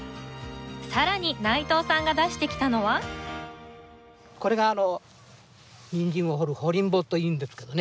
更に内藤さんが出してきたのはこれがニンジンを掘るほりん棒というんですけどね。